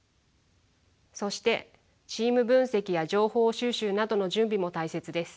そしてチーム分析や情報収集などの準備も大切です。